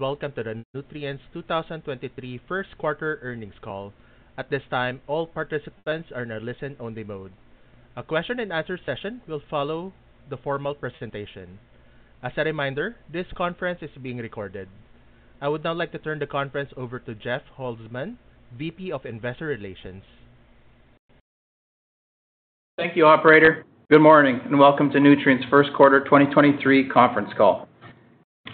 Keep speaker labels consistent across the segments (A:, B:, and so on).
A: Welcome to the Nutrien's 2023 first quarter earnings call. At this time, all participants are in a listen-only mode. A question and answer session will follow the formal presentation. As a reminder, this conference is being recorded. I would now like to turn the conference over to Jeff Holzman, VP of Investor Relations.
B: Thank you, operator. Good morning and welcome to Nutrien's first quarter 2023 conference call.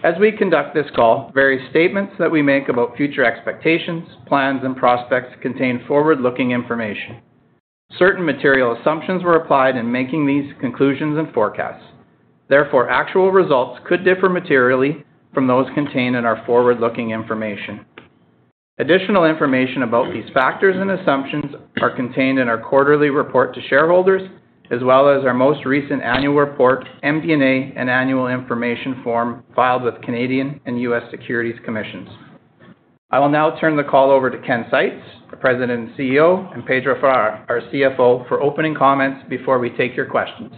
B: As we conduct this call, various statements that we make about future expectations, plans, and prospects contain forward-looking information. Certain material assumptions were applied in making these conclusions and forecasts. Therefore, actual results could differ materially from those contained in our forward-looking information. Additional information about these factors and assumptions are contained in our quarterly report to shareholders, as well as our most recent annual report, MD&A, and annual information form filed with Canadian and US Securities Commissions. I will now turn the call over to Ken Seitz, the President and CEO, and Pedro Farah, our CFO, for opening comments before we take your questions.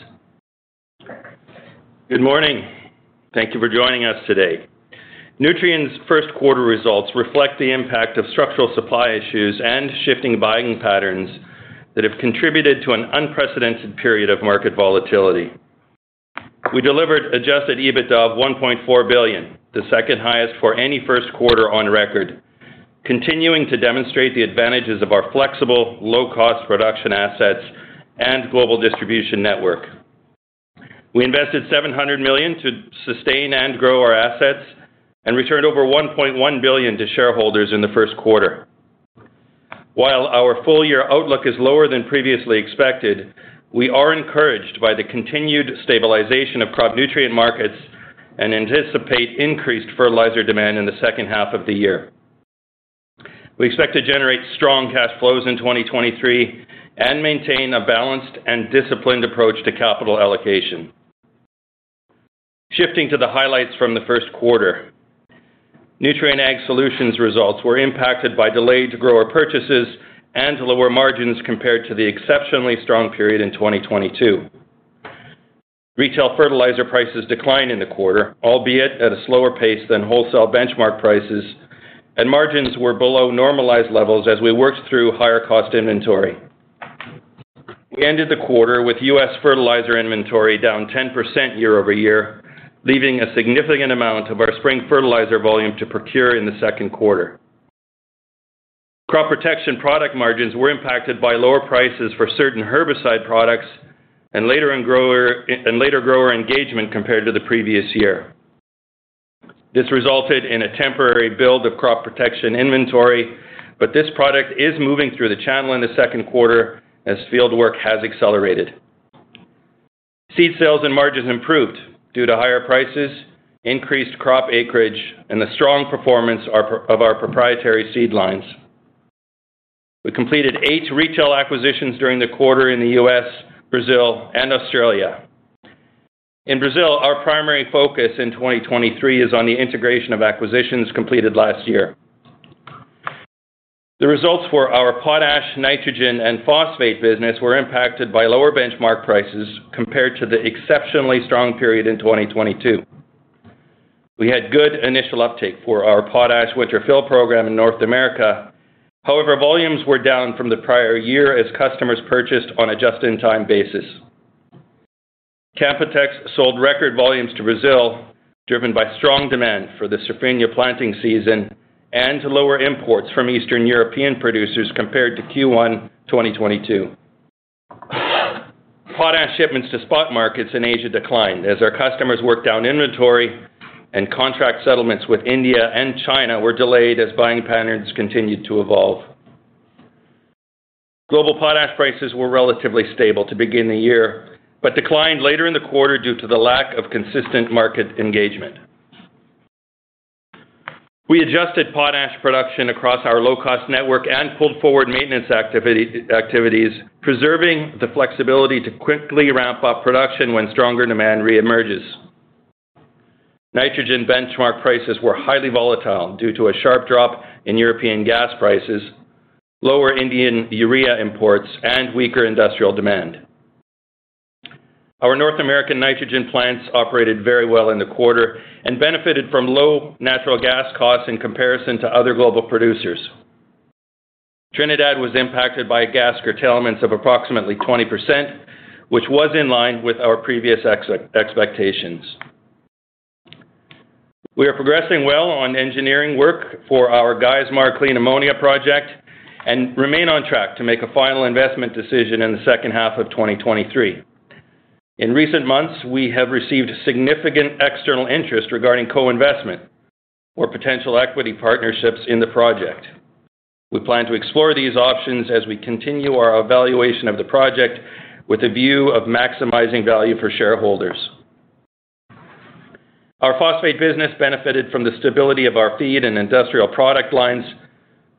C: Good morning. Thank you for joining us today. Nutrien's first quarter results reflect the impact of structural supply issues and shifting buying patterns that have contributed to an unprecedented period of market volatility. We delivered adjusted EBITDA of $1.4 billion, the second highest for any first quarter on record, continuing to demonstrate the advantages of our flexible, low-cost production assets and global distribution network. We invested $700 million to sustain and grow our assets and returned over $1.1 billion to shareholders in the first quarter. While our full-year outlook is lower than previously expected, we are encouraged by the continued stabilization of crop nutrient markets and anticipate increased fertilizer demand in the second half of the year. We expect to generate strong cash flows in 2023 and maintain a balanced and disciplined approach to capital allocation. Shifting to the highlights from the first quarter, Nutrien Ag Solutions results were impacted by delayed grower purchases and lower margins compared to the exceptionally strong period in 2022. Retail fertilizer prices declined in the quarter, albeit at a slower pace than wholesale benchmark prices, and margins were below normalized levels as we worked through higher cost inventory. We ended the quarter with U.S. fertilizer inventory down 10% year-over-year, leaving a significant amount of our spring fertilizer volume to procure in the second quarter. Crop protection product margins were impacted by lower prices for certain herbicide products and later grower engagement compared to the previous year. This resulted in a temporary build of crop protection inventory, but this product is moving through the channel in the second quarter as field work has accelerated. Seed sales and margins improved due to higher prices, increased crop acreage, and the strong performance of our proprietary seed lines. We completed eight retail acquisitions during the quarter in the U.S., Brazil, and Australia. In Brazil, our primary focus in 2023 is on the integration of acquisitions completed last year. The results for our potash, nitrogen, and phosphate business were impacted by lower benchmark prices compared to the exceptionally strong period in 2022. We had good initial uptake for our potash winter fill program in North America. However, volumes were down from the prior year as customers purchased on a just-in-time basis. K+S sold record volumes to Brazil, driven by strong demand for the Safrinha planting season and lower imports from Eastern European producers compared to Q1 2022. Potash shipments to spot markets in Asia declined as our customers worked down inventory and contract settlements with India and China were delayed as buying patterns continued to evolve. Global potash prices were relatively stable to begin the year, but declined later in the quarter due to the lack of consistent market engagement. We adjusted potash production across our low-cost network and pulled forward maintenance activities, preserving the flexibility to quickly ramp up production when stronger demand reemerges. Nitrogen benchmark prices were highly volatile due to a sharp drop in European gas prices, lower Indian urea imports, and weaker industrial demand. Our North American nitrogen plants operated very well in the quarter and benefited from low natural gas costs in comparison to other global producers. Trinidad was impacted by gas curtailments of approximately 20%, which was in line with our previous expectations. We are progressing well on engineering work for our Geismar clean ammonia project and remain on track to make a final investment decision in the second half of 2023. In recent months, we have received significant external interest regarding co-investment or potential equity partnerships in the project. We plan to explore these options as we continue our evaluation of the project with a view of maximizing value for shareholders. Our phosphate business benefited from the stability of our feed and industrial product lines,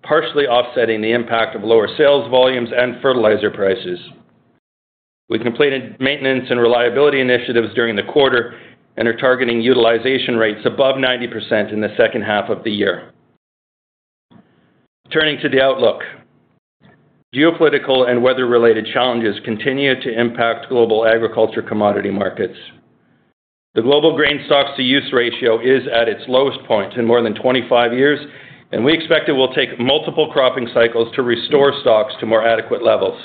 C: partially offsetting the impact of lower sales volumes and fertilizer prices. We completed maintenance and reliability initiatives during the quarter and are targeting utilization rates above 90% in the second half of the year. Turning to the outlook. Geopolitical and weather-related challenges continue to impact global agriculture commodity markets. The global grain stocks-to-use ratio is at its lowest point in more than 25 years. We expect it will take multiple cropping cycles to restore stocks to more adequate levels.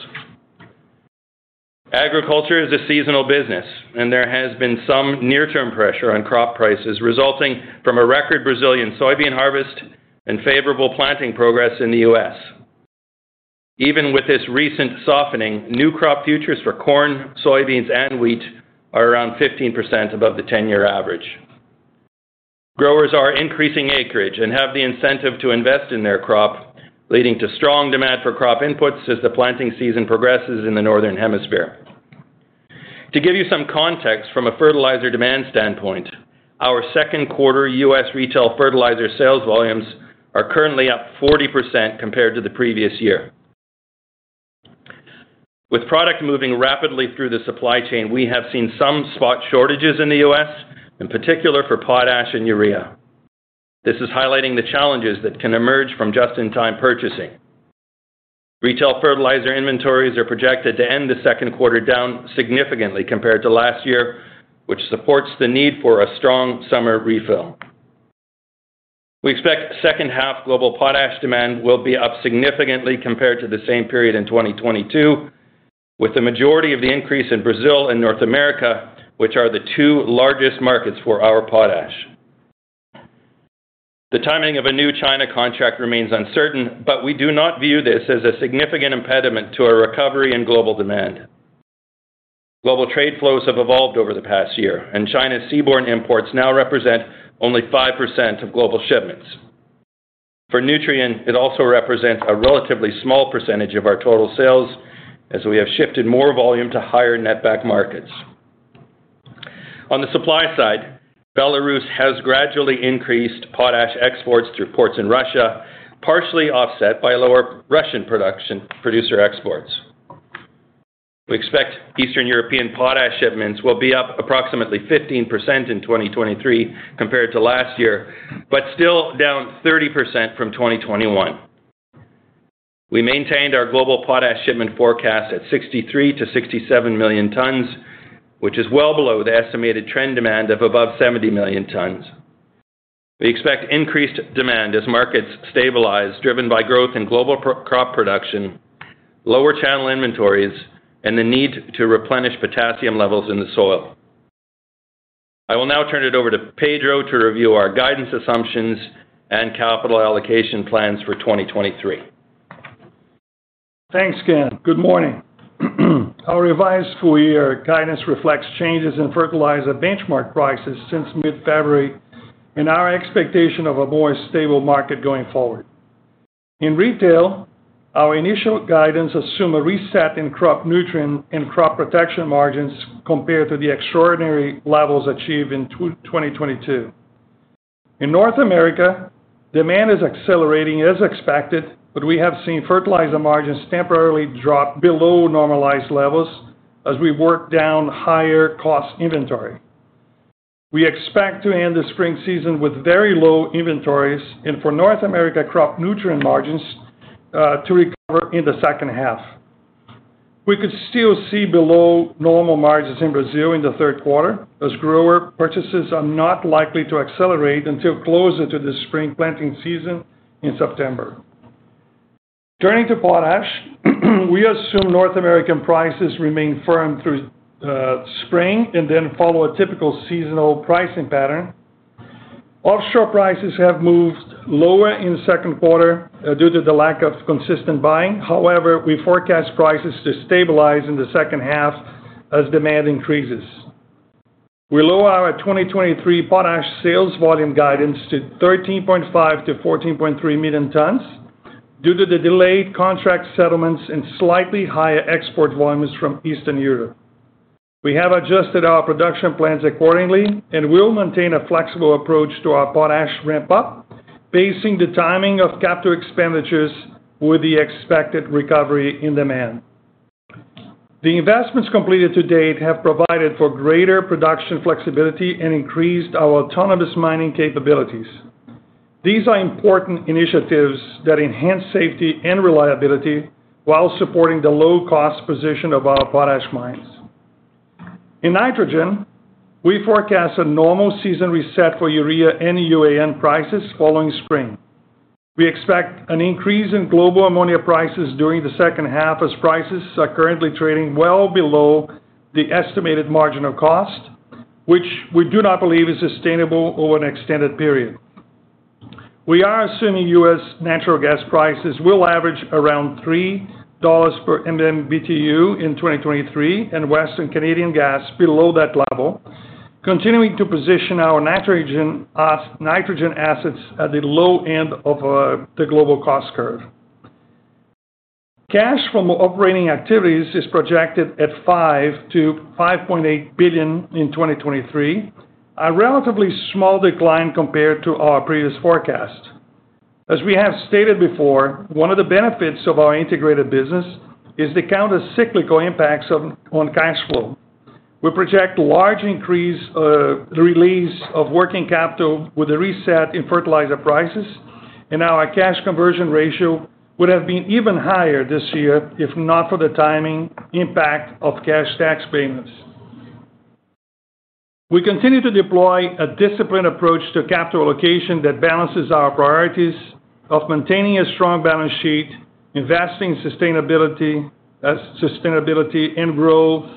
C: Agriculture is a seasonal business. There has been some near-term pressure on crop prices resulting from a record Brazilian soybean harvest and favorable planting progress in the US. Even with this recent softening, new crop futures for corn, soybeans, and wheat are around 15% above the 10-year average. Growers are increasing acreage and have the incentive to invest in their crop, leading to strong demand for crop inputs as the planting season progresses in the northern hemisphere. To give you some context from a fertilizer demand standpoint, our 2Q US retail fertilizer sales volumes are currently up 40% compared to the previous year. With product moving rapidly through the supply chain, we have seen some spot shortages in the U.S., in particular for potash and urea. This is highlighting the challenges that can emerge from just-in-time purchasing. Retail fertilizer inventories are projected to end the second quarter down significantly compared to last year, which supports the need for a strong summer refill. We expect second half global potash demand will be up significantly compared to the same period in 2022, with the majority of the increase in Brazil and North America, which are the two largest markets for our potash. The timing of a new China contract remains uncertain, we do not view this as a significant impediment to a recovery in global demand. Global trade flows have evolved over the past year, China's seaborne imports now represent only 5% of global shipments. For Nutrien, it also represents a relatively small percentage of our total sales as we have shifted more volume to higher net back markets. On the supply side, Belarus has gradually increased potash exports through ports in Russia, partially offset by lower Russian production producer exports. We expect Eastern European potash shipments will be up approximately 15% in 2023 compared to last year, but still down 30% from 2021. We maintained our global potash shipment forecast at 63 million tons-67 million tons, which is well below the estimated trend demand of above 70 million tons. We expect increased demand as markets stabilize, driven by growth in global pro-crop production, lower channel inventories, and the need to replenish potassium levels in the soil. I will now turn it over to Pedro to review our guidance assumptions and capital allocation plans for 2023.
D: Thanks, Ken. Good morning. Our revised full-year guidance reflects changes in fertilizer benchmark prices since mid-February and our expectation of a more stable market going forward. In retail, our initial guidance assume a reset in crop nutrient and crop protection margins compared to the extraordinary levels achieved in 2022. In North America, demand is accelerating as expected, but we have seen fertilizer margins temporarily drop below normalized levels as we work down higher cost inventory. We expect to end the spring season with very low inventories and for North America crop nutrient margins to recover in the second half. We could still see below normal margins in Brazil in the third quarter, as grower purchases are not likely to accelerate until closer to the spring planting season in September. Turning to potash, we assume North American prices remain firm through spring and then follow a typical seasonal pricing pattern. Offshore prices have moved lower in the second quarter due to the lack of consistent buying. However, we forecast prices to stabilize in the second half as demand increases. We lower our 2023 potash sales volume guidance to 13.5 million tons-14.3 million tons due to the delayed contract settlements and slightly higher export volumes from Eastern Europe. We have adjusted our production plans accordingly and will maintain a flexible approach to our potash ramp up, pacing the timing of capital expenditures with the expected recovery in demand. The investments completed to date have provided for greater production flexibility and increased our autonomous mining capabilities. These are important initiatives that enhance safety and reliability while supporting the low-cost position of our potash mines. In nitrogen, we forecast a normal season reset for urea and UAN prices following spring. We expect an increase in global ammonia prices during the second half as prices are currently trading well below the estimated margin of cost, which we do not believe is sustainable over an extended period. We are assuming U.S. natural gas prices will average around $3 per MMBtu in 2023 and Western Canadian gas below that level, continuing to position our nitrogen assets at the low end of the global cost curve. Cash from operating activities is projected at $5 billion-$5.8 billion in 2023, a relatively small decline compared to our previous forecast. As we have stated before, one of the benefits of our integrated business is the counter-cyclical impacts on cash flow. We project large increase the release of working capital with a reset in fertilizer prices. Now our cash conversion ratio would have been even higher this year, if not for the timing impact of cash tax payments. We continue to deploy a disciplined approach to capital allocation that balances our priorities of maintaining a strong balance sheet, investing sustainability and growth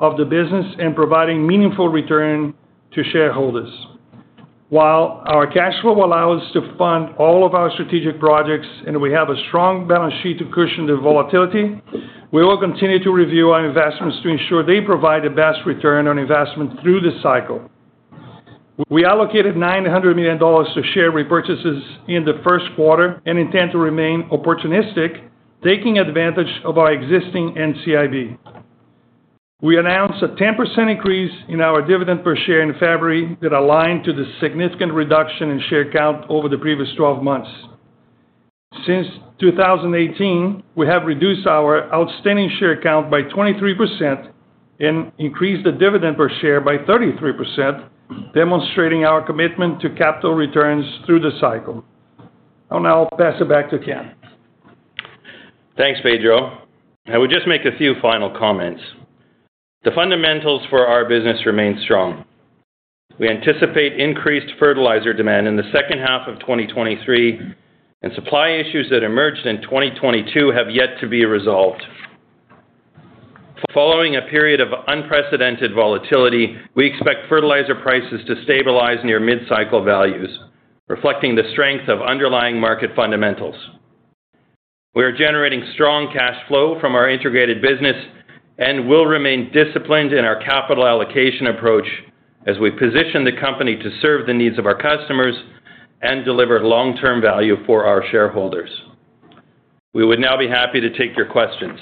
D: of the business, and providing meaningful return to shareholders. While our cash flow will allow us to fund all of our strategic projects and we have a strong balance sheet to cushion the volatility, we will continue to review our investments to ensure they provide the best ROI through the cycle. We allocated $900 million to share repurchases in the 1st quarter and intend to remain opportunistic, taking advantage of our existing NCIB. We announced a 10% increase in our dividend per share in February that aligned to the significant reduction in share count over the previous 12 months. Since 2018, we have reduced our outstanding share count by 23% and increased the dividend per share by 33%, demonstrating our commitment to capital returns through the cycle. I'll now pass it back to Ken.
C: Thanks, Pedro. I would just make a few final comments. The fundamentals for our business remain strong. We anticipate increased fertilizer demand in the second half of 2023, and supply issues that emerged in 2022 have yet to be resolved. Following a period of unprecedented volatility, we expect fertilizer prices to stabilize near mid-cycle values, reflecting the strength of underlying market fundamentals. We are generating strong cash flow from our integrated business and will remain disciplined in our capital allocation approach as we position the company to serve the needs of our customers and deliver long-term value for our shareholders. We would now be happy to take your questions.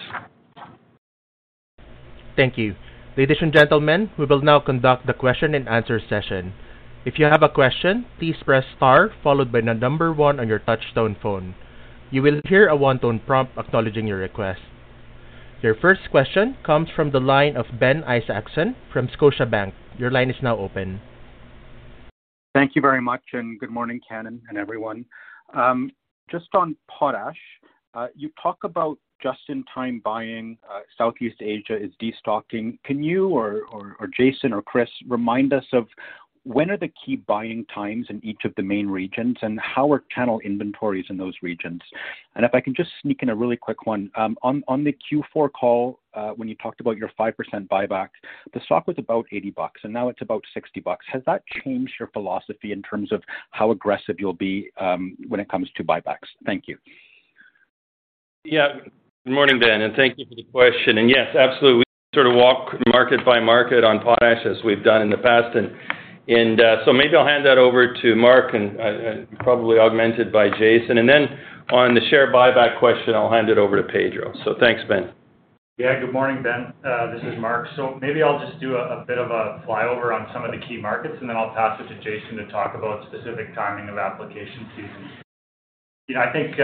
A: Thank you. Ladies and gentlemen, we will now conduct the question and answer session. If you have a question, please press star followed by the number one on your touch tone phone. You will hear a one-tone prompt acknowledging your request. Your first question comes from the line of Ben Isaacson from Scotiabank. Your line is now open.
E: Thank you very much. Good morning, Ken and everyone. Just on potash, you talk about just-in-time buying, Southeast Asia is destocking. Can you or Jason or Chris remind us of when are the key buying times in each of the main regions and how are channel inventories in those regions? If I can just sneak in a really quick one. On the Q4 call, when you talked about your 5% buyback, the stock was about $80, and now it's about $60. Has that changed your philosophy in terms of how aggressive you'll be, when it comes to buybacks? Thank you.
C: Yeah. Good morning, Ben, thank you for the question. Yes, absolutely. We sort of walk market by market on potash as we've done in the past. Maybe I'll hand that over to Mark and probably augmented by Jason. Then on the share buyback question, I'll hand it over to Pedro. Thanks, Ben.
F: Yeah. Good morning, Ben. This is Mark. Maybe I'll just do a bit of a flyover on some of the key markets, and then I'll pass it to Jason to talk about specific timing of application season. You know, I think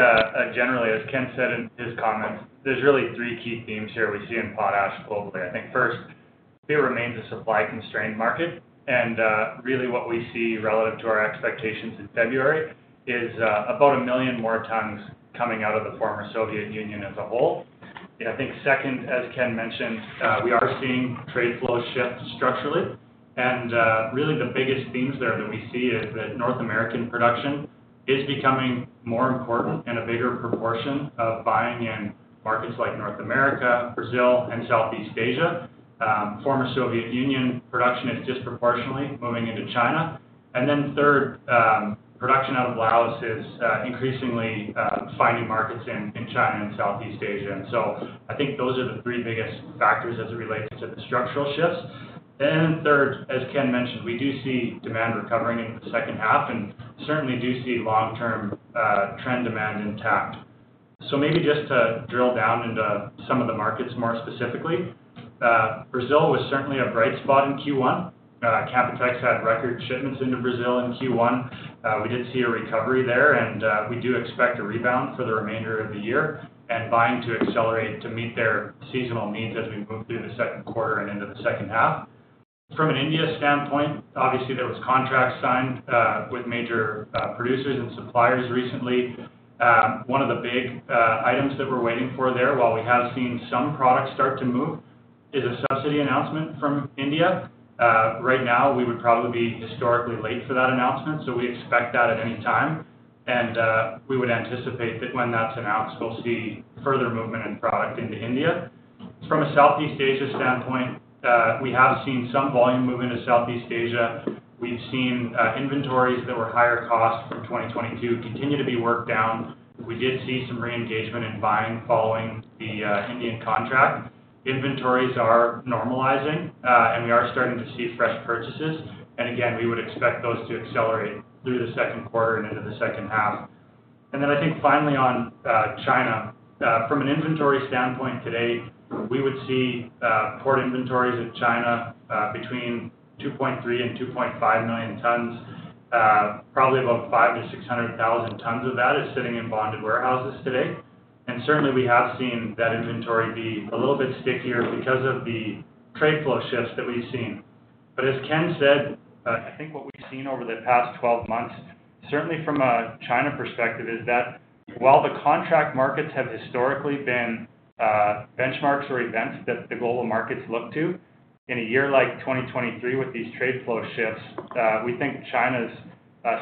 F: generally, as Ken said in his comments, there's really three key themes here we see in potash globally. I think first, it remains a supply-constrained market. Really what we see relative to our expectations in February is about 1 million more tons coming out of the former Soviet Union as a whole. I think second, as Ken mentioned, we are seeing trade flows shift structurally. Really the biggest themes there that we see is that North American production is becoming more important and a bigger proportion of buying in markets like North America, Brazil and Southeast Asia. Former Soviet Union production is disproportionately moving into China. Production out of Laos is increasingly finding markets in China and Southeast Asia. I think those are the three biggest factors as it relates to the structural shifts. As Ken mentioned, we do see demand recovering in the second half, and certainly do see long-term trend demand intact. Maybe just to drill down into some of the markets more specifically. Brazil was certainly a bright spot in Q1. Canpotex had record shipments into Brazil in Q1. We did see a recovery there, and we do expect a rebound for the remainder of the year and buying to accelerate to meet their seasonal needs as we move through the second quarter and into the second half. From an India standpoint, obviously, there was contracts signed with major producers and suppliers recently. One of the big items that we're waiting for there, while we have seen some products start to move, is a subsidy announcement from India. Right now, we would probably be historically late for that announcement. We expect that at any time. We would anticipate that when that's announced, we'll see further movement in product into India. From a Southeast Asia standpoint, we have seen some volume move into Southeast Asia. We've seen inventories that were higher cost from 2022 continue to be worked down. We did see some reengagement in buying following the Indian contract. Inventories are normalizing. We are starting to see fresh purchases. Again, we would expect those to accelerate through the second quarter and into the second half. I think finally on China. From an inventory standpoint today, we would see port inventories in China between 2.3 million tons and 2.5 million tons. Probably about 500,000-600,000 tons of that is sitting in bonded warehouses today.
C: Certainly we have seen that inventory be a little bit stickier because of the trade flow shifts that we've seen. As Ken said, I think what we've seen over the past 12 months, certainly from a China perspective, is that while the contract markets have historically been benchmarks or events that the global markets look to, in a year like 2023 with these trade flow shifts, we think China's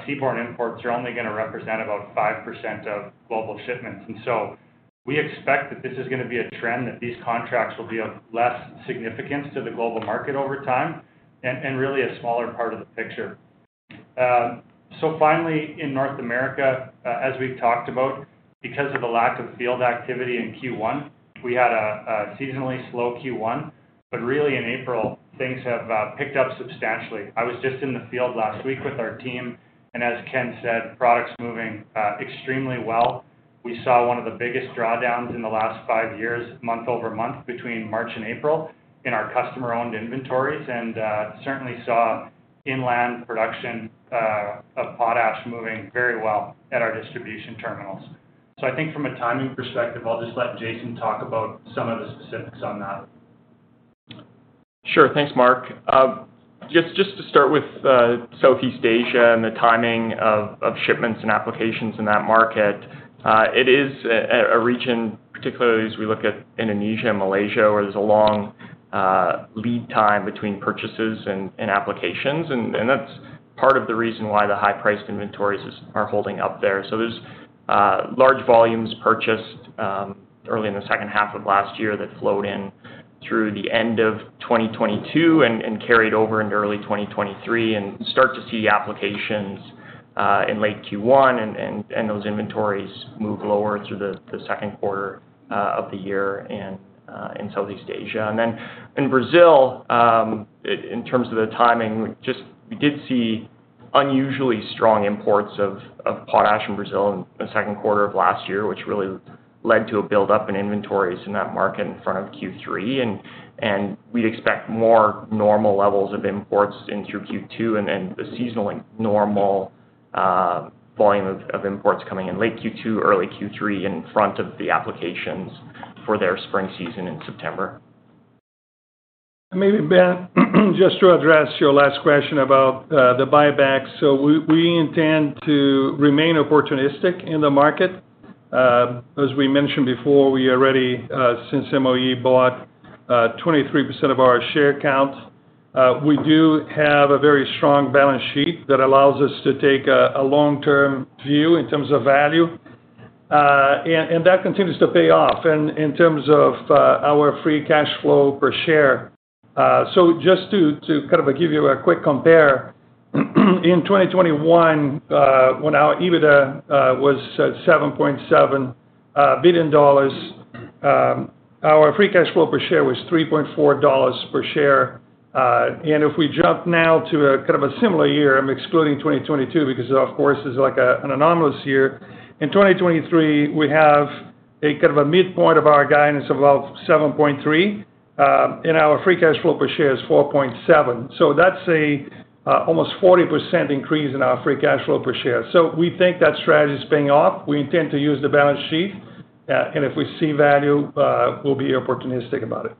C: seaborne imports are only gonna represent about 5% of global shipments. We expect that this is gonna be a trend, that these contracts will be of less significance to the global market over time and really a smaller part of the picture. Finally, in North America, as we've talked about, because of the lack of field activity in Q1, we had a seasonally slow Q1. Really in April, things have picked up substantially. I was just in the field last week with our team, and as Ken said, products moving extremely well. We saw one of the biggest drawdowns in the last five years, month-over-month between March and April in our customer-owned inventories, and certainly saw inland production of potash moving very well at our distribution terminals. I think from a timing perspective, I'll just let Jason talk about some of the specifics on that.
G: Sure. Thanks, Mark. Just to start with Southeast Asia and the timing of shipments and applications in that market. It is a region, particularly as we look at Indonesia and Malaysia, where there's a long lead time between purchases and applications. That's part of the reason why the high-priced inventories are holding up there. There's large volumes purchased early in the second half of last year that flowed in through the end of 2022 and carried over into early 2023, start to see applications in late Q1, and those inventories move lower through the second quarter of the year in Southeast Asia. In Brazil, in terms of the timing, just we did see unusually strong imports of potash in Brazil in the second quarter of last year, which really led to a buildup in inventories in that market in front of Q3. We'd expect more normal levels of imports in through Q2 and a seasonally normal volume of imports coming in late Q2, early Q3 in front of the applications for their spring season in September.
D: Maybe, Ben, just to address your last question about the buyback. We intend to remain opportunistic in the market. As we mentioned before, we already since MOE bought 23% of our share count, we do have a very strong balance sheet that allows us to take a long-term view in terms of value. That continues to pay off in terms of our free cash flow per share. Just to kind of give you a quick compare, in 2021, when our EBITDA was at $7.7 billion, our free cash flow per share was $3.4 per share. If we jump now to a kind of a similar year, I'm excluding 2022 because, of course, it's an anomalous year. In 2023, we have a kind of a midpoint of our guidance of about $7.3, and our free cash flow per share is $4.7. That's a, almost 40% increase in our free cash flow per share. We think that strategy is paying off. We intend to use the balance sheet, and if we see value, we'll be opportunistic about it.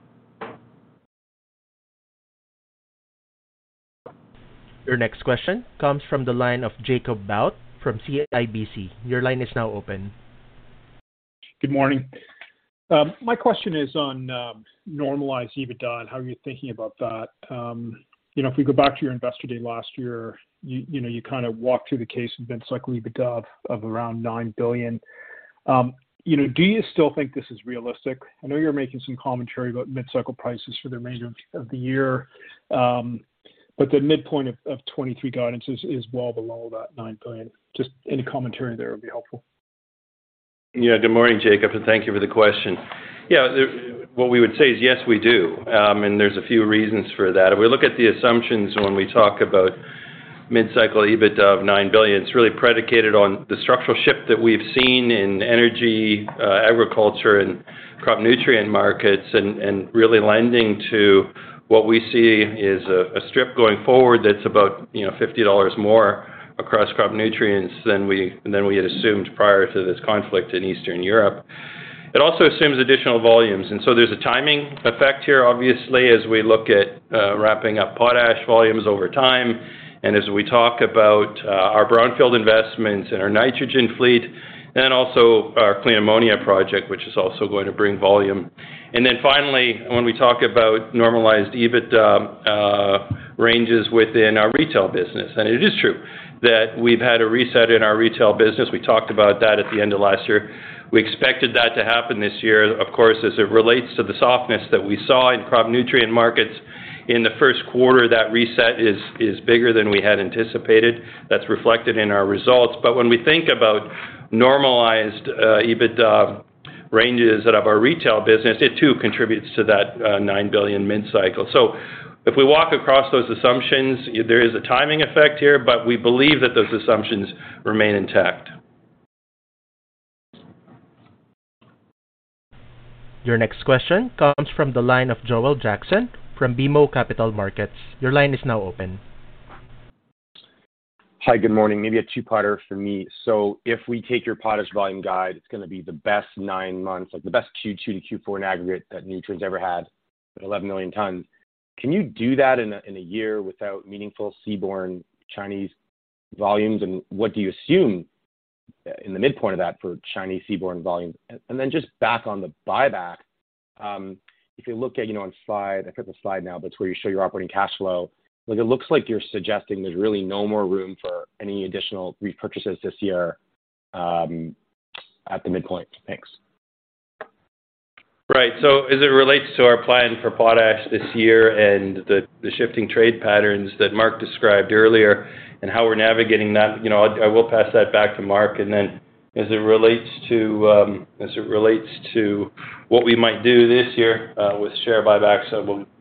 A: Your next question comes from the line of Jacob Bout from CIBC. Your line is now open.
H: Good morning. My question is on normalized EBITDA and how you're thinking about that. You know, if we go back to your Investor Day last year, you know, you kinda walked through the case of mid-cycle EBITDA of around $9 billion. You know, do you still think this is realistic? I know you're making some commentary about mid-cycle prices for the remainder of the year, but the midpoint of '23 guidance is well below that $9 billion. Just any commentary there would be helpful.
C: Good morning, Jacob, and thank you for the question. What we would say is, yes, we do. There's a few reasons for that. If we look at the assumptions when we talk about mid-cycle EBITDA of $9 billion, it's really predicated on the structural shift that we've seen in energy, agriculture, and crop nutrient markets, and really lending to what we see is a strip going forward that's about, you know, $50 more across crop nutrients than we had assumed prior to this conflict in Eastern Europe. It also assumes additional volumes, so there's a timing effect here, obviously, as we look at wrapping up potash volumes over time and as we talk about our brownfield investments and our nitrogen fleet and also our clean ammonia project, which is also going to bring volume. Finally, when we talk about normalized EBITDA ranges within our retail business, and it is true that we've had a reset in our retail business. We talked about that at the end of last year. We expected that to happen this year, of course, as it relates to the softness that we saw in crop nutrient markets. In the first quarter, that reset is bigger than we had anticipated. That's reflected in our results. When we think about normalized EBITDA ranges out of our retail business, it too contributes to that $9 billion mid-cycle. If we walk across those assumptions, there is a timing effect here, but we believe that those assumptions remain intact.
A: Your next question comes from the line of Joel Jackson from BMO Capital Markets. Your line is now open.
I: Hi, good morning. Maybe a two-parter for me. If we take your potash volume guide, it's gonna be the best nine months, like the best Q2 to Q4 in aggregate that Nutrien's ever had at 11 million tons. Can you do that in a year without meaningful seaborne Chinese volumes? What do you assume in the midpoint of that for Chinese seaborne volume? Just back on the buyback, if you look at, you know, on slide, I forget the slide now, but it's where you show your operating cash flow. Like, it looks like you're suggesting there's really no more room for any additional repurchases this year at the midpoint. Thanks.
C: Right. As it relates to our plan for potash this year and the shifting trade patterns that Mark described earlier and how we're navigating that, you know, I will pass that back to Mark. As it relates to what we might do this year with share buybacks,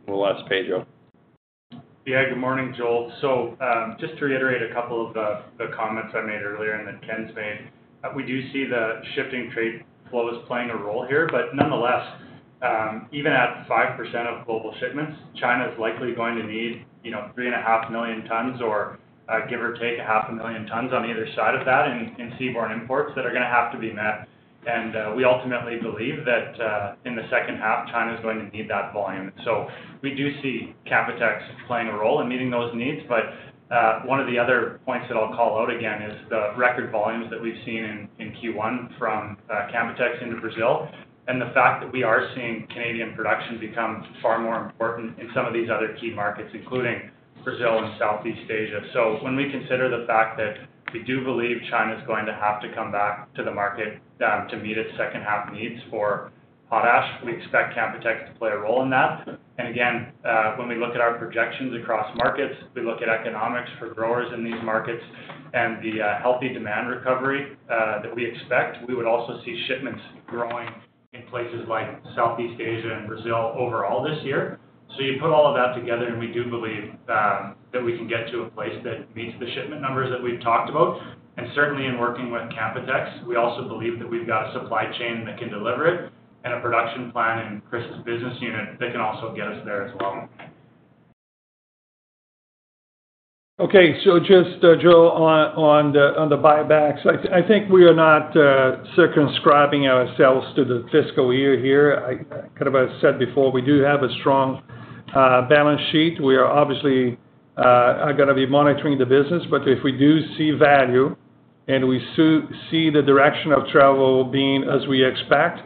C: we'll ask Pedro.
F: Good morning, Joel. Just to reiterate a couple of the comments I made earlier and that Ken's made, we do see the shifting trade flows playing a role here, but nonetheless, even at 5% of global shipments, China is likely going to need, you know, 3.5 million tons or give or take 0.5 million tons on either side of that in seaborne imports that are gonna have to be met. We ultimately believe that in the second half, China is going to need that volume. We do see Canpotex playing a role in meeting those needs. One of the other points that I'll call out again is the record volumes that we've seen in Q1 from Canpotex into Brazil, and the fact that we are seeing Canadian production become far more important in some of these other key markets, including Brazil and Southeast Asia. When we consider the fact that we do believe China is going to have to come back to the market to meet its second half needs for potash, we expect Canpotex to play a role in that. Again, when we look at our projections across markets, we look at economics for growers in these markets and the healthy demand recovery that we expect, we would also see shipments growing in places like Southeast Asia and Brazil overall this year. You put all of that together, and we do believe that we can get to a place that meets the shipment numbers that we've talked about. Certainly in working with Canpotex, we also believe that we've got a supply chain that can deliver it and a production plan in Chris's business unit that can also get us there as well.
D: Okay. Just Joel, on the buybacks, I think we are not circumscribing ourselves to the fiscal year here. I kind of said before, we do have a strong balance sheet. We are obviously gonna be monitoring the business. If we do see value and we see the direction of travel being as we expect,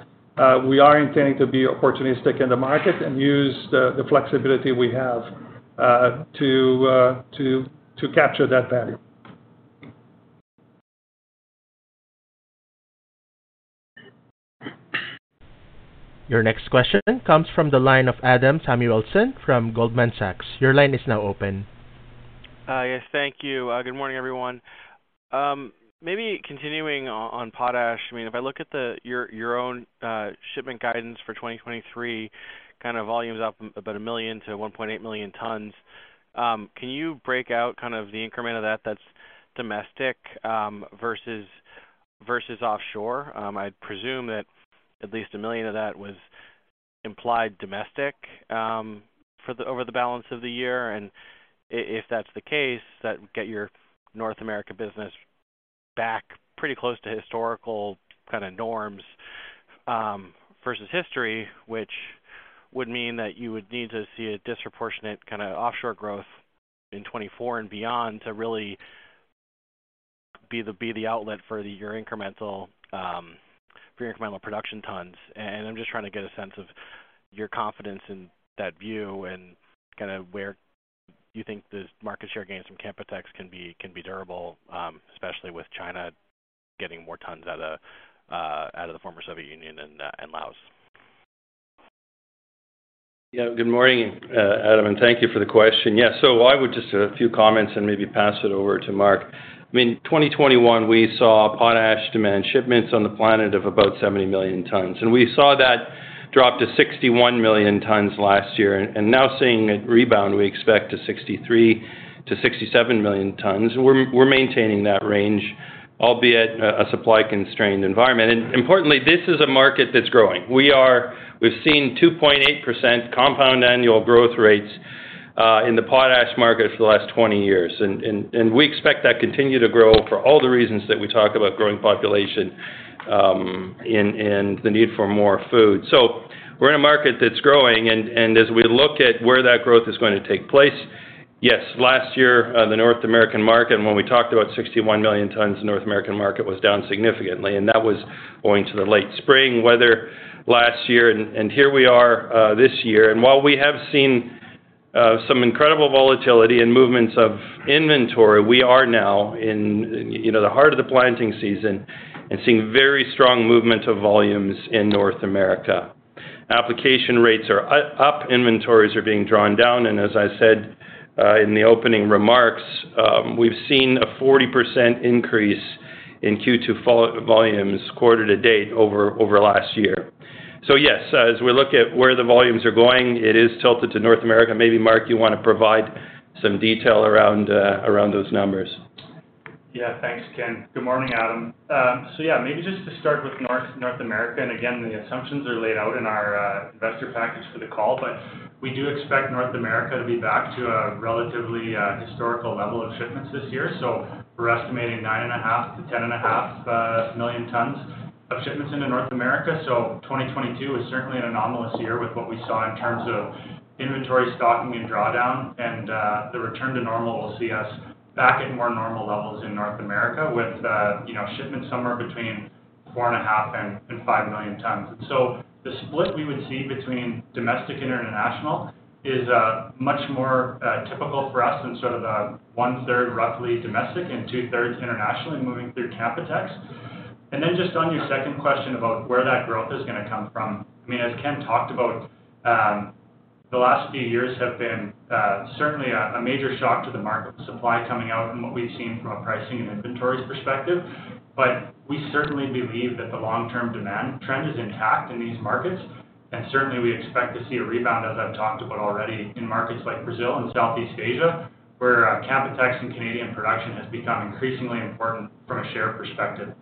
D: we are intending to be opportunistic in the market and use the flexibility we have to capture that value.
A: Your next question comes from the line of Adam Samuelson from Goldman Sachs. Your line is now open.
J: Yes. Thank you. Good morning, everyone. Maybe continuing on potash, I mean, if I look at your own shipment guidance for 2023, kinda volume's up about 1 million tons-1.8 million tons, can you break out kind of the increment of that that's domestic versus offshore? I'd presume that at least one million of that was implied domestic over the balance of the year. If that's the case, that would get your North America business back pretty close to historical kinda norms versus history, which would mean that you would need to see a disproportionate kinda offshore growth in 2024 and beyond to really be the outlet for your incremental production tons. I'm just trying to get a sense of your confidence in that view and kinda where you think the market share gains from Canpotex can be durable, especially with China getting more tons out of the former Soviet Union and Laos.
C: Yeah. Good morning, Adam, and thank you for the question. Yeah. I would just a few comments and maybe pass it over to Mark. I mean, 2021, we saw potash demand shipments on the planet of about 70 million tons, and we saw that drop to 61 million tons last year. Now seeing it rebound, we expect to 63 million-67 million tons. We're maintaining that range, albeit a supply-constrained environment. Importantly, this is a market that's growing. We've seen 2.8% compound annual growth rates in the potash market for the last 20 years, and we expect that continue to grow for all the reasons that we talk about growing population, and the need for more food. We're in a market that's growing, and as we look at where that growth is going to take place, yes, last year, the North American market, and when we talked about 61 million tons, the North American market was down significantly, and that was owing to the late spring weather last year. Here we are, this year, and while we have seen some incredible volatility and movements of inventory, we are now in, you know, the heart of the planting season and seeing very strong movement of volumes in North America. Application rates are up, inventories are being drawn down, and as I said, in the opening remarks, we've seen a 40% increase in Q2 volumes quarter to date over last year. Yes, as we look at where the volumes are going, it is tilted to North America. Maybe, Mark, you wanna provide some detail around those numbers.
F: Thanks, Ken. Good morning, Adam. Maybe just to start with North America, and again, the assumptions are laid out in our investor package for the call, but we do expect North America to be back to a relatively historical level of shipments this year. We're estimating 9.5 million-10.5 million tons of shipments into North America. 2022 is certainly an anomalous year with what we saw in terms of inventory stocking and drawdown. The return to normal will see us back at more normal levels in North America with, you know, shipments somewhere between 4.5 million and 5 million tons. The split we would see between domestic and international is much more typical for us than sort of the 1/3 roughly domestic and 2/3 internationally moving through Canpotex. Just on your second question about where that growth is gonna come from. I mean, as Ken talked about, the last few years have been certainly a major shock to the market with supply coming out and what we've seen from a pricing and inventories perspective. We certainly believe that the long-term demand trend is intact in these markets. Certainly we expect to see a rebound, as I've talked about already, in markets like Brazil and Southeast Asia, where Canpotex and Canadian production has become increasingly important from a share perspective.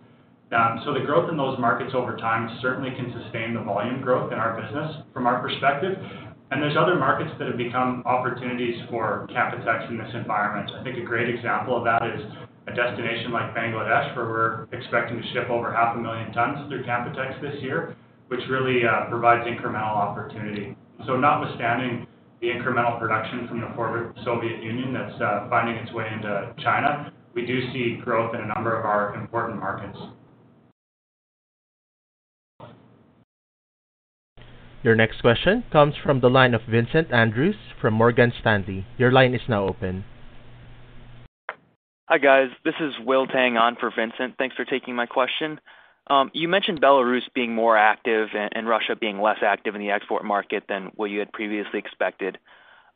F: The growth in those markets over time certainly can sustain the volume growth in our business from our perspective. There's other markets that have become opportunities for Canpotex in this environment. I think a great example of that is a destination like Bangladesh, where we're expecting to ship over half a million tons through Canpotex this year, which really provides incremental opportunity. Notwithstanding the incremental production from the former Soviet Union that's finding its way into China, we do see growth in a number of our important markets.
A: Your next question comes from the line of Vincent Andrews from Morgan Stanley. Your line is now open.
K: Hi, guys. This is William Tang on for Vincent. Thanks for taking my question. You mentioned Belarus being more active and Russia being less active in the export market than what you had previously expected.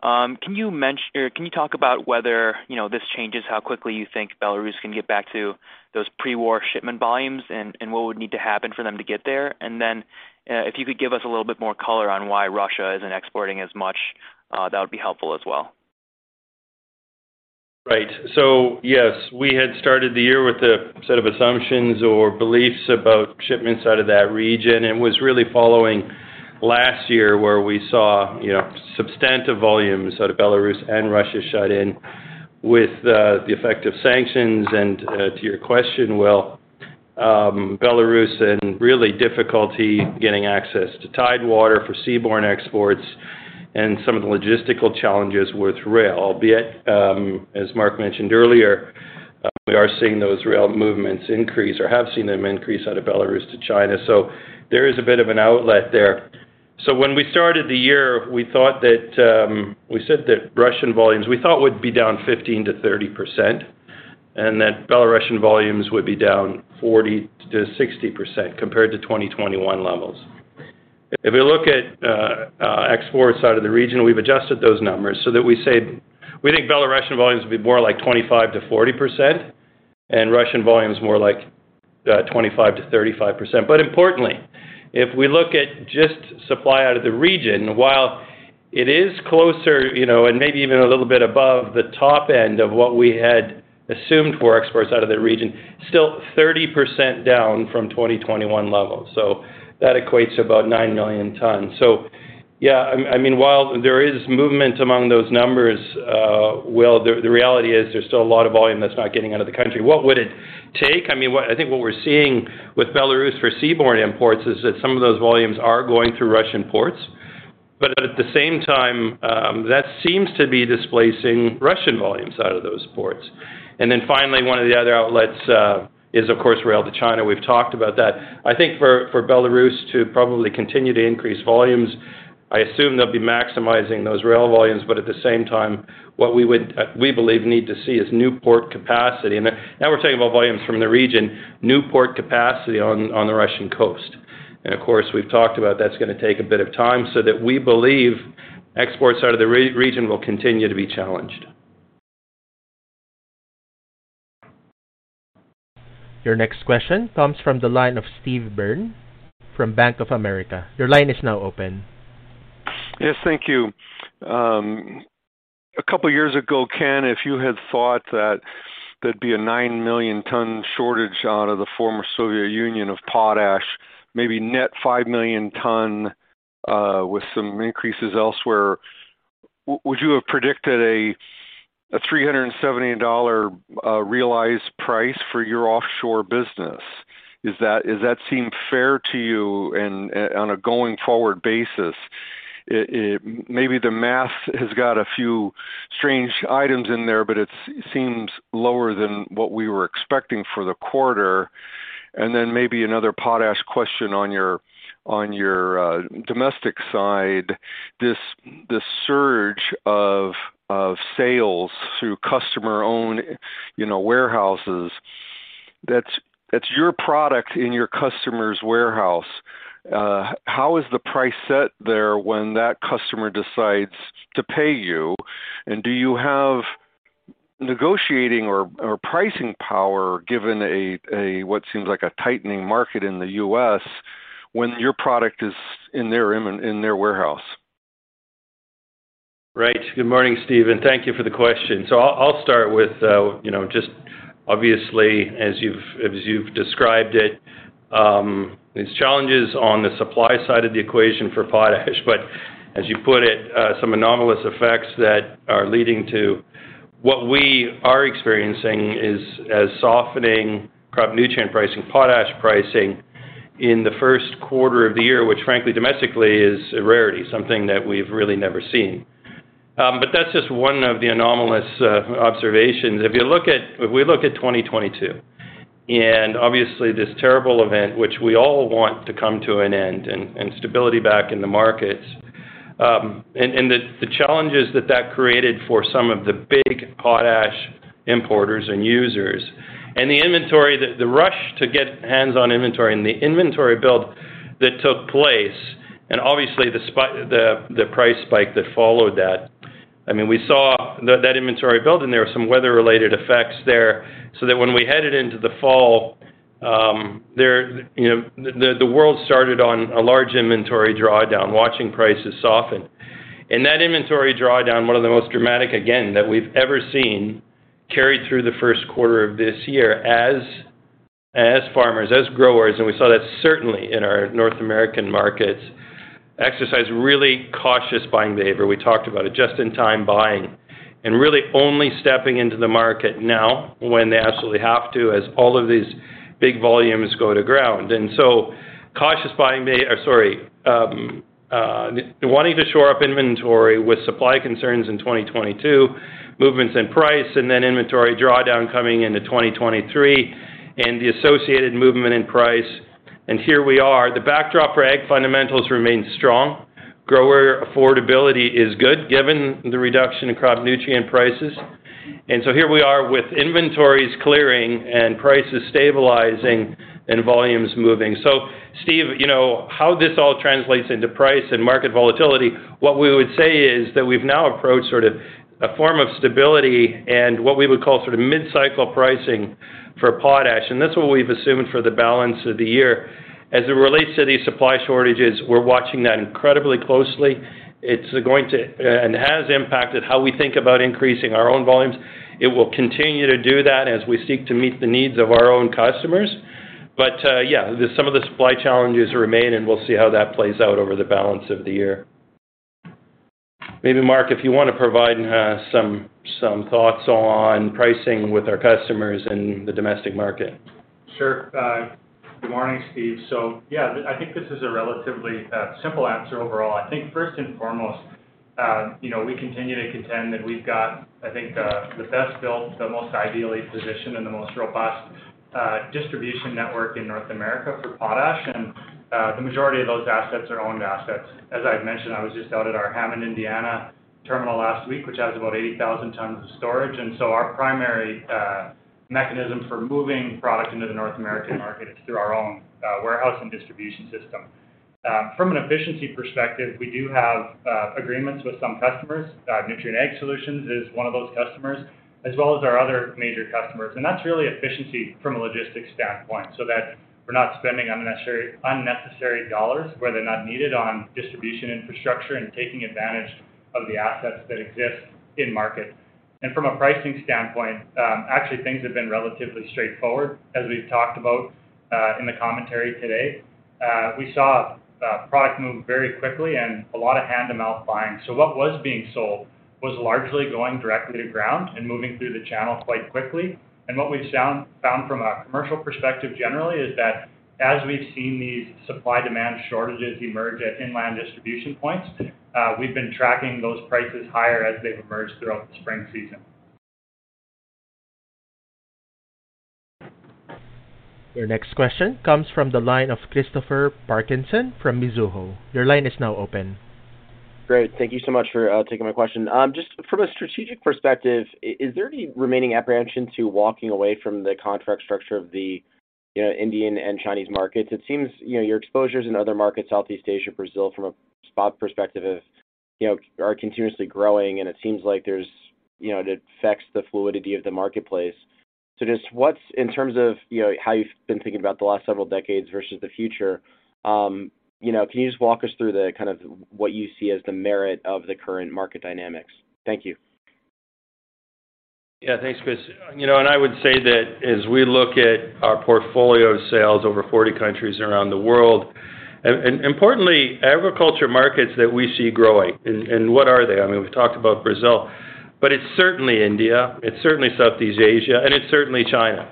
K: Can you talk about whether, you know, this changes how quickly you think Belarus can get back to those pre-war shipment volumes and what would need to happen for them to get there? If you could give us a little bit more color on why Russia isn't exporting as much, that would be helpful as well.
C: Right. Yes, we had started the year with a set of assumptions or beliefs about shipments out of that region and was really following last year where we saw, you know, substantive volumes out of Belarus and Russia shut in with the effect of sanctions. To your question, Will, Belarus had really difficulty getting access to tidewater for seaborne exports and some of the logistical challenges with rail, albeit, as Mark mentioned earlier, we are seeing those rail movements increase or have seen them increase out of Belarus to China. There is a bit of an outlet there. When we started the year, we thought that we said that Russian volumes we thought would be down 15%-30% and that Belarusian volumes would be down 40%-60% compared to 2021 levels. If we look at export side of the region, we've adjusted those numbers so that we say we think Belarusian volumes would be more like 25%-40% and Russian volumes more like 25%-35%. Importantly, if we look at just supply out of the region, while it is closer, you know, and maybe even a little bit above the top end of what we had assumed for exports out of the region, still 30% down from 2021 levels. That equates to about 9 million tons. Yeah, I mean, while there is movement among those numbers, Will, the reality is there's still a lot of volume that's not getting out of the country. What would it take? I mean, I think what we're seeing with Belarus for seaborne imports is that some of those volumes are going through Russian ports, but at the same time, that seems to be displacing Russian volumes out of those ports. Finally, one of the other outlets is of course, rail to China. We've talked about that. I think for Belarus to probably continue to increase volumes, I assume they'll be maximizing those rail volumes, but at the same time, what we would, we believe need to see is new port capacity. Now we're talking about volumes from the region, new port capacity on the Russian coast. Of course, we've talked about that's gonna take a bit of time so that we believe exports out of the region will continue to be challenged.
A: Your next question comes from the line of Steve Byrne from Bank of America. Your line is now open.
L: Yes. Thank you. A couple years ago, Ken, if you had thought that there'd be a 9 million tons shortage out of the former Soviet Union of potash, maybe net 5 million tons, with some increases elsewhere, would you have predicted a $370 realized price for your offshore business? Is that seem fair to you in on a going forward basis? Maybe the math has got a few strange items in there, but it seems lower than what we were expecting for the quarter. Then maybe another potash question on your domestic side. This surge of sales through customer-owned, you know, warehouses, that's your product in your customer's warehouse. How is the price set there when that customer decides to pay you? Do you have negotiating or pricing power given a what seems like a tightening market in the US when your product is in their warehouse?
C: Right. Good morning, Steven. Thank you for the question. I'll start with, you know, just obviously, as you've described it, these challenges on the supply side of the equation for potash. As you put it, some anomalous effects that are leading to what we are experiencing is softening crop nutrient pricing, potash pricing in the first quarter of the year, which frankly, domestically is a rarity, something that we've really never seen. That's just one of the anomalous observations. If we look at 2022, and obviously this terrible event, which we all want to come to an end and stability back in the markets. The challenges that that created for some of the big potash importers and users, and the inventory that the rush to get hands-on inventory and the inventory build that took place, and obviously the price spike that followed that. I mean, we saw that that inventory build, and there were some weather-related effects there, so that when we headed into the fall, there, you know, the world started on a large inventory drawdown, watching prices soften. That inventory drawdown, one of the most dramatic, again, that we've ever seen, carried through the first quarter of this year as farmers, as growers, and we saw that certainly in our North American markets, exercise really cautious buying behavior. We talked about it just in time buying and really only stepping into the market now when they absolutely have to, as all of these big volumes go to ground. Cautious buying or sorry, wanting to shore up inventory with supply concerns in 2022, movements in price and then inventory drawdown coming into 2023 and the associated movement in price. Here we are. The backdrop for ag fundamentals remains strong. Grower affordability is good given the reduction in crop nutrient prices. Here we are with inventories clearing and prices stabilizing and volumes moving. Steve, you know, how this all translates into price and market volatility, what we would say is that we've now approached sort of a form of stability and what we would call sort of mid-cycle pricing for potash, and that's what we've assumed for the balance of the year. As it relates to these supply shortages, we're watching that incredibly closely. It's going to and has impacted how we think about increasing our own volumes. It will continue to do that as we seek to meet the needs of our own customers. Yeah, some of the supply challenges remain, and we'll see how that plays out over the balance of the year. Maybe, Mark, if you wanna provide, some thoughts on pricing with our customers in the domestic market.
F: Sure. Good morning, Steve. Yeah, I think this is a relatively simple answer overall. I think first and foremost, you know, we continue to contend that we've got, I think, the best built, the most ideally positioned and the most robust distribution network in North America for potash. The majority of those assets are owned assets. As I've mentioned, I was just out at our Hammond, Indiana terminal last week, which has about 80,000 tons of storage. Our primary mechanism for moving product into the North American market is through our own warehouse and distribution system. From an efficiency perspective, we do have agreements with some customers. Nutrien Ag Solutions is one of those customers, as well as our other major customers. That's really efficiency from a logistics standpoint, so that we're not spending unnecessary dollars where they're not needed on distribution infrastructure and taking advantage of the assets that exist in markets. From a pricing standpoint, actually things have been relatively straightforward as we've talked about in the commentary today. We saw product move very quickly and a lot of hand-to-mouth buying. What was being sold was largely going directly to ground and moving through the channel quite quickly. What we found from a commercial perspective generally is that as we've seen these supply-demand shortages emerge at inland distribution points, we've been tracking those prices higher as they've emerged throughout the spring season.
A: Your next question comes from the line of Christopher Parkinson from Mizuho. Your line is now open.
M: Great. Thank you so much for taking my question. Just from a strategic perspective, is there any remaining apprehension to walking away from the contract structure of the, you know, Indian and Chinese markets? It seems, you know, your exposures in other markets, Southeast Asia, Brazil, from a spot perspective is, you know, are continuously growing, and it seems like there's, you know, it affects the fluidity of the marketplace. So just what's in terms of, you know, how you've been thinking about the last several decades versus the future, you know, can you just walk us through the kind of what you see as the merit of the current market dynamics? Thank you.
C: Yeah. Thanks, Chris. You know, I would say that as we look at our portfolio of sales over 40 countries around the world, importantly, agriculture markets that we see growing and what are they? I mean, we've talked about Brazil, but it's certainly India, it's certainly Southeast Asia, and it's certainly China.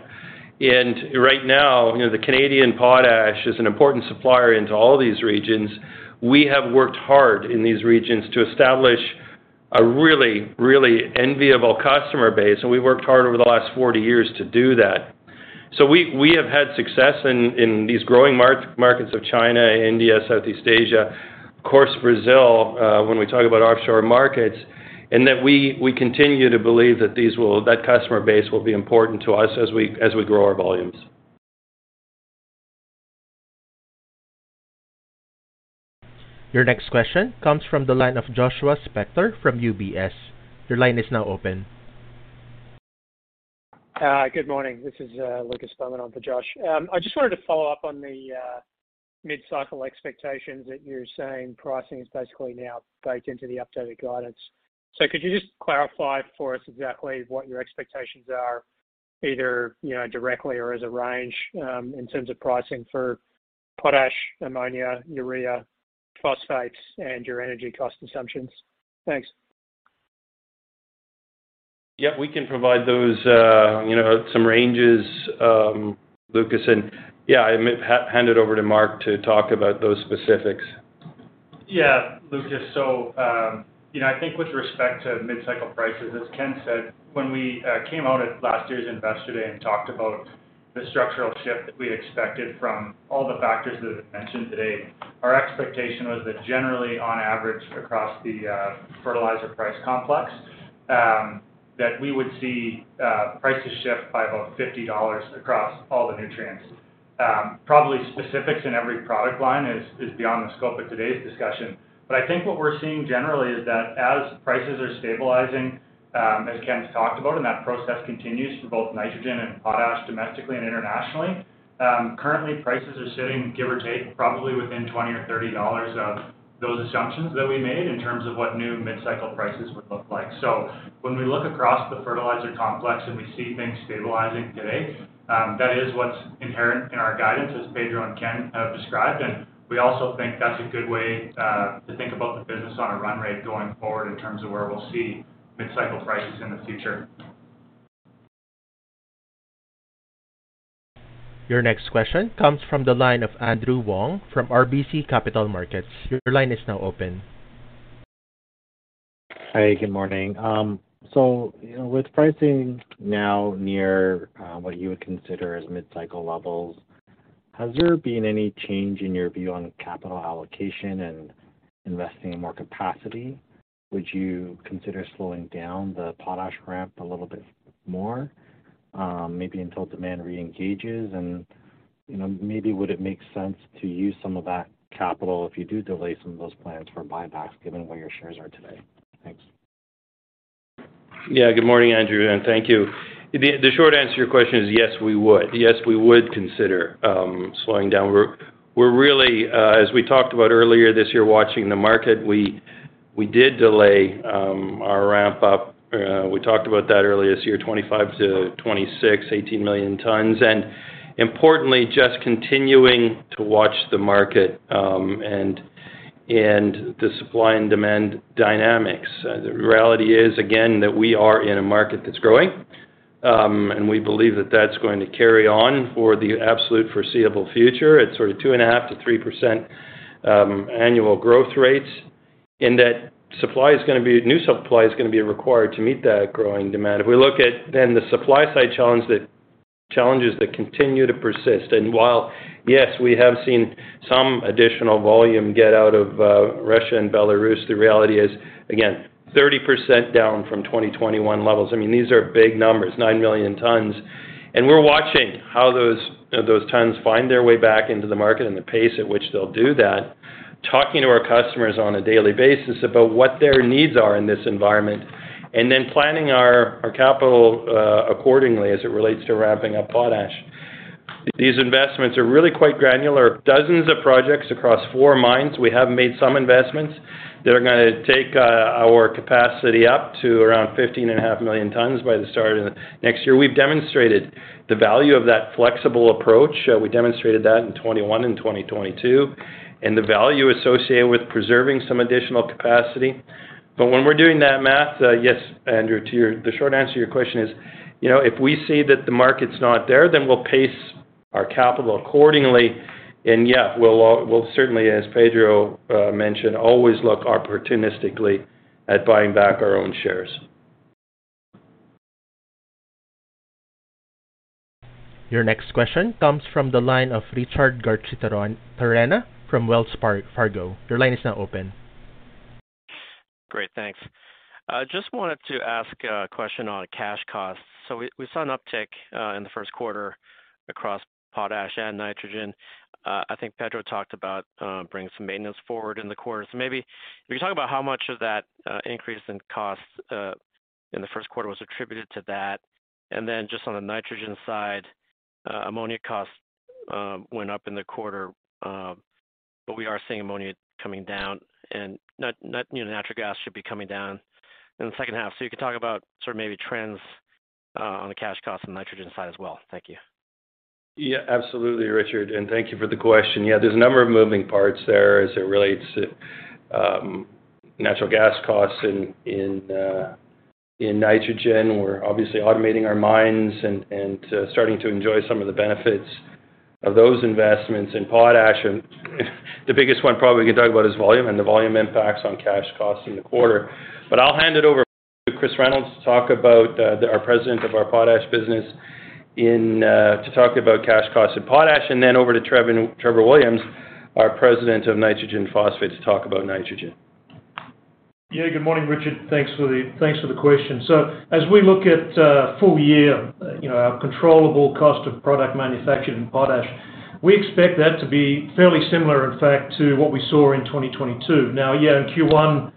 C: Right now, you know, the Canadian potash is an important supplier into all these regions. We have worked hard in these regions to establish a really enviable customer base, and we worked hard over the last 40 years to do that. We have had success in these growing markets of China, India, Southeast Asia, of course, Brazil, when we talk about offshore markets, and that we continue to believe that customer base will be important to us as we grow our volumes.
A: Your next question comes from the line of Joshua Spector from UBS. Your line is now open.
N: Good morning. This is Lucas Beaumont on for Josh. I just wanted to follow up on the mid-cycle expectations that you're saying pricing is basically now baked into the updated guidance. Could you just clarify for us exactly what your expectations are either, you know, directly or as a range, in terms of pricing for potash, ammonia, urea, phosphates and your energy cost assumptions? Thanks.
C: Yeah, we can provide those, you know, some ranges, Lucas. Yeah, I hand it over to Mark to talk about those specifics.
F: Lucas. I think with respect to mid-cycle prices, as Ken said when we came out at last year's Investor Day and talked about the structural shift that we expected from all the factors that I've mentioned today, our expectation was that generally on average across the fertilizer price complex, that we would see prices shift by about $50 across all the nutrients. Probably specifics in every product line is beyond the scope of today's discussion. I think what we're seeing generally is that as prices are stabilizing, as Ken's talked about, and that process continues for both nitrogen and potash, domestically and internationally, currently prices are sitting give or take, probably within $20 or $30 of those assumptions that we made in terms of what new mid-cycle prices would look like. When we look across the fertilizer complex and we see things stabilizing today, that is what's inherent in our guidance as Pedro and Ken have described. We also think that's a good way to think about the business on a run rate going forward in terms of where we'll see mid-cycle prices in the future.
A: Your next question comes from the line of Andrew Wong from RBC Capital Markets. Your line is now open.
O: Hi, good morning. With pricing now near what you would consider as mid-cycle levels, has there been any change in your view on capital allocation and investing in more capacity? Would you consider slowing down the potash ramp a little bit more, maybe until demand reengages? You know, maybe would it make sense to use some of that capital if you do delay some of those plans for buybacks given where your shares are today? Thanks.
C: Yeah. Good morning, Andrew. Thank you. The short answer to your question is yes, we would. Yes, we would consider slowing down. We're really, as we talked about earlier this year, watching the market, we did delay our ramp up. We talked about that earlier this year, 2025 to 2026, 18 million tons, and importantly, just continuing to watch the market and the supply and demand dynamics. The reality is again, that we are in a market that's growing, and we believe that that's going to carry on for the absolute foreseeable future at sort of 2.5%-3% annual growth rates. That new supply is gonna be required to meet that growing demand. If we look at the supply side challenges that continue to persist. While, yes, we have seen some additional volume get out of Russia and Belarus, the reality is again, 30% down from 2021 levels. I mean, these are big numbers, 9 million tons. We're watching how those tons find their way back into the market and the pace at which they'll do that, talking to our customers on a daily basis about what their needs are in this environment, and then planning our capital accordingly as it relates to ramping up potash. These investments are really quite granular. Dozens of projects across four mines. We have made some investments that are gonna take our capacity up to around 15.5 million tons by the start of next year. We've demonstrated the value of that flexible approach. We demonstrated that in 2021 and 2022 and the value associated with preserving some additional capacity. When we're doing that math, yes, Andrew, the short answer to your question is, you know, if we see that the market's not there, then we'll pace our capital accordingly. Yeah, we'll certainly, as Pedro mentioned, always look opportunistically at buying back our own shares.
A: Your next question comes from the line of Richard Garchitorena from Wells Fargo. Your line is now open.
N: Great, thanks. I just wanted to ask a question on cash costs. We saw an uptick in the first quarter across potash and nitrogen. I think Pedro talked about bringing some maintenance forward in the quarter. Maybe can you talk about how much of that increase in costs in the first quarter was attributed to that? Just on the nitrogen side, ammonia costs went up in the quarter, but we are seeing ammonia coming down and you know, natural gas should be coming down in the second half. You can talk about sort of maybe trends on the cash costs on the nitrogen side as well. Thank you.
C: Absolutely, Richard, thank you for the question. There's a number of moving parts there as it relates to natural gas costs in nitrogen. We're obviously automating our mines and starting to enjoy some of the benefits of those investments in potash. The biggest one probably we can talk about is volume and the volume impacts on cash costs in the quarter. I'll hand it over to Chris Reynolds to talk about our president of our potash business to talk about cash costs in potash, over to Trevor Williams, our president of Nitrogen Phosphate, to talk about nitrogen.
P: Yeah. Good morning, Richard. Thanks for the question. As we look at, you know, full year, our controllable cost of product manufactured in potash, we expect that to be fairly similar, in fact, to what we saw in 2022. Yeah, in Q1.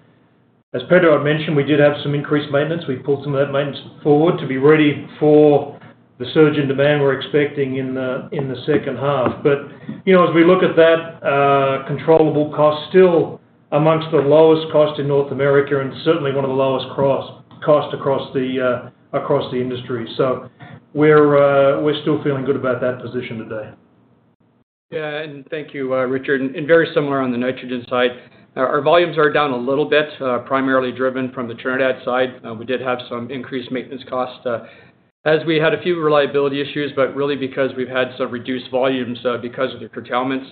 C: As Pedro had mentioned, we did have some increased maintenance. We pulled some of that maintenance forward to be ready for the surge in demand we're expecting in the, in the second half. You know, as we look at that, controllable cost still amongst the lowest cost in North America and certainly one of the lowest cost across the industry. We're still feeling good about that position today.
G: Yeah. Thank you, Richard. Very similar on the nitrogen side. Our volumes are down a little bit, primarily driven from the Trinidad side. We did have some increased maintenance costs, as we had a few reliability issues, but really because we've had some reduced volumes, because of the curtailments.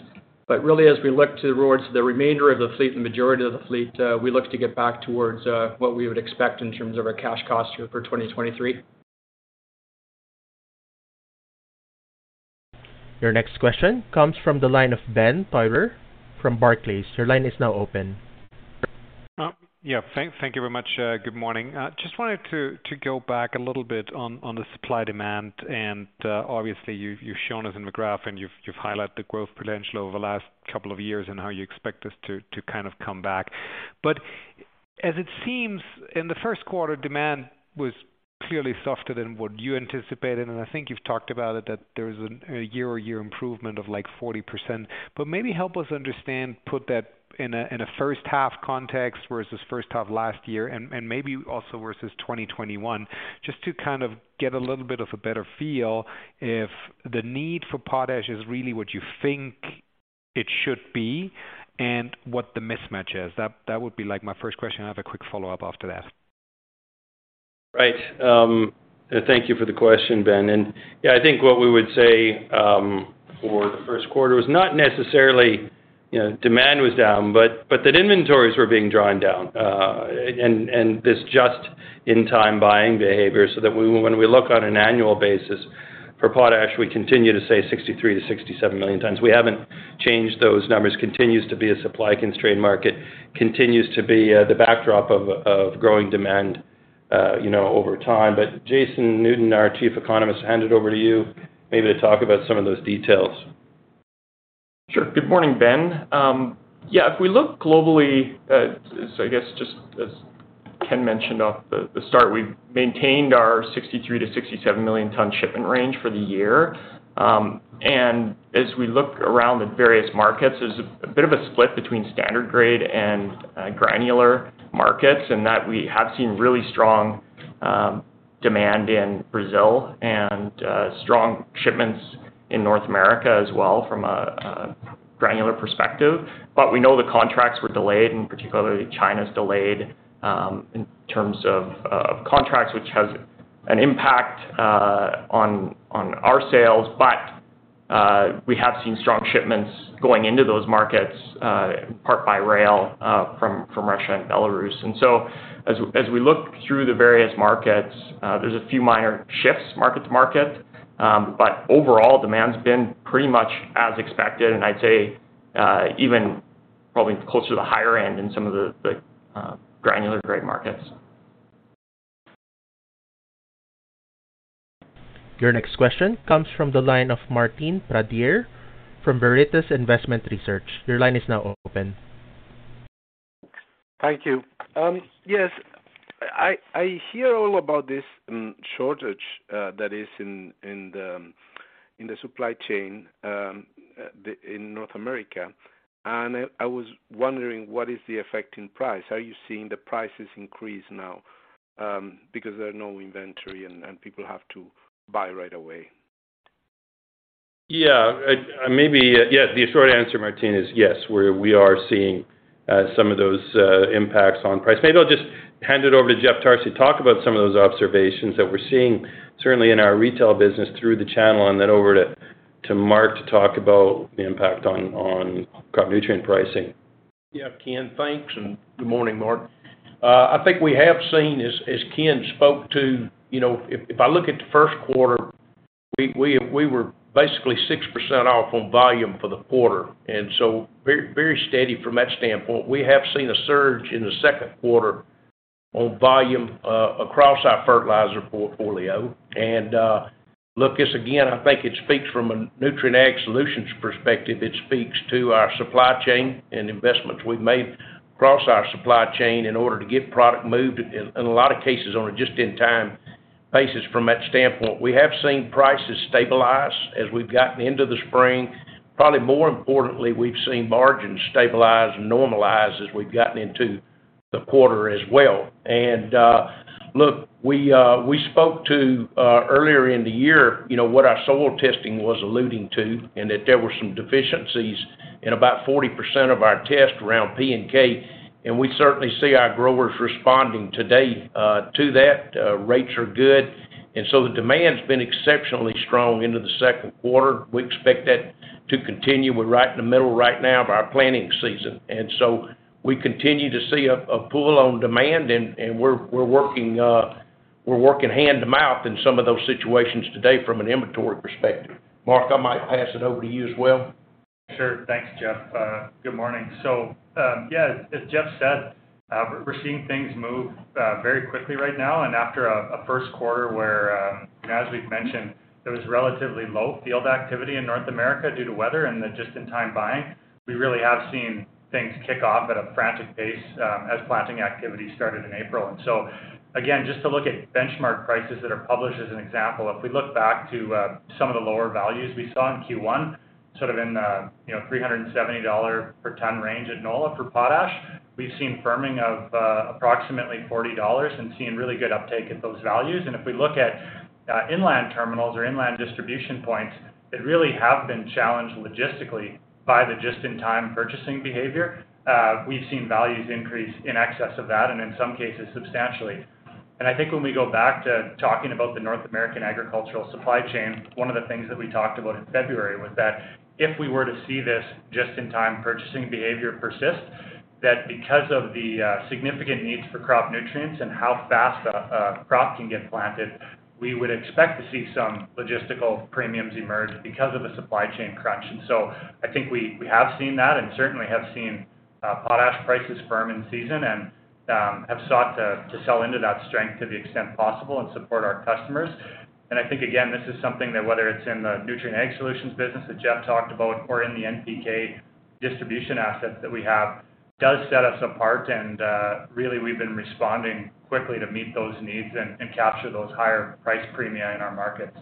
G: Really as we look to towards the remainder of the fleet and majority of the fleet, we look to get back towards what we would expect in terms of our cash cost for 2023.
A: Your next question comes from the line of Benjamin Theurer from Barclays. Your line is now open.
Q: Yeah. Thank you very much. Good morning. Just wanted to go back a little bit on the supply demand. Obviously you've shown us in the graph and you've highlighted the growth potential over the last couple of years and how you expect this to kind of come back. As it seems in the first quarter, demand was clearly softer than what you anticipated. I think you've talked about it, that there was a year-over-year improvement of like 40%. Maybe help us understand, put that in a first half context versus first half last year and maybe also versus 2021, just to kind of get a little bit of a better feel if the need for potash is really what you think it should be and what the mismatch is. That would be like my first question. I have a quick follow up after that.
C: Right. Thank you for the question, Ben. I think what we would say for the first quarter was not necessarily, you know, demand was down, but that inventories were being drawn down. And this just in time buying behavior so that when we look on an annual basis for potash, we continue to say 63 million-67 million tons. We haven't changed those numbers. Continues to be a supply constrained market. Continues to be the backdrop of growing demand, you know, over time. Jason Newton, our Chief Economist, hand it over to you maybe to talk about some of those details.
G: Sure. Good morning, Ben. Yeah, if we look globally, so I guess just as Ken mentioned off the start, we've maintained our 63 million-67 million ton shipment range for the year. As we look around the various markets, there's a bit of a split between standard grade and granular markets, and that we have seen really strong demand in Brazil and strong shipments in North America as well from a granular perspective. We know the contracts were delayed, and particularly China's delayed, in terms of contracts, which has an impact on our sales. We have seen strong shipments going into those markets, in part by rail, from Russia and Belarus. As we look through the various markets, there's a few minor shifts market to market. Overall demand's been pretty much as expected, and I'd say, even probably closer to the higher end in some of the, granular grade markets.
A: Your next question comes from the line of Martin Pradier from Veritas Investment Research. Your line is now open.
R: Thank you. Yes, I hear all about this shortage that is in the supply chain, in North America. I was wondering what is the effect in price? Are you seeing the prices increase now because there are no inventory and people have to buy right away?
C: Yeah. maybe, yeah, the short answer, Martin, is yes. We are seeing some of those impacts on price. Maybe I'll just hand it over to Jeff Tarsi to talk about some of those observations that we're seeing certainly in our retail business through the channel, and then over to Mark to talk about the impact on crop nutrient pricing.
S: Yeah, Ken, thanks, and good morning, Mark. I think we have seen as Ken spoke to, you know, if I look at the first quarter, we, we were basically 6% off on volume for the quarter, very, very steady from that standpoint. We have seen a surge in the second quarter on volume across our fertilizer portfolio. Look, this again, I think it speaks from a Nutrien Ag Solutions perspective. It speaks to our supply chain and investments we've made across our supply chain in order to get product moved in a lot of cases, on a just in time basis from that standpoint. We have seen prices stabilize as we've gotten into the spring. Probably more importantly, we've seen margins stabilize and normalize as we've gotten into the quarter as well. Look, we spoke to earlier in the year, you know, what our soil testing was alluding to, and that there were some deficiencies in about 40% of our test around P and K, and we certainly see our growers responding today to that. Rates are good. So the demand's been exceptionally strong into the second quarter. We expect that to continue. We're right in the middle right now of our planting season, so we continue to see a pull on demand and we're working hand to mouth in some of those situations today from an inventory perspective. Mark, I might pass it over to you as well.
F: Sure. Thanks, Jeff. Good morning. Yeah, as Jeff said, we're seeing things move very quickly right now. After a first quarter where, as we've mentioned, there was relatively low field activity in North America due to weather and the just in time buying. We really have seen things kick off at a frantic pace as planting activity started in April. Again, just to look at benchmark prices that are published as an example, if we look back to some of the lower values we saw in Q1, sort of in, you know, $370 per ton range at NOLA for potash. We've seen firming of approximately $40 and seen really good uptake at those values. If we look at inland terminals or inland distribution points that really have been challenged logistically by the just-in-time purchasing behavior, we've seen values increase in excess of that, and in some cases substantially. I think when we go back to talking about the North American agricultural supply chain, one of the things that we talked about in February was that if we were to see this just-in-time purchasing behavior persist, that because of the significant needs for crop nutrients and how fast a crop can get planted, we would expect to see some logistical premiums emerge because of a supply chain crunch. I think we have seen that and certainly have seen potash prices firm in season and have sought to sell into that strength to the extent possible and support our customers. I think again, this is something that whether it's in the Nutrien Ag Solutions business that Jeff talked about or in the NPK distribution assets that we have, does set us apart. Really, we've been responding quickly to meet those needs and capture those higher price premia in our markets.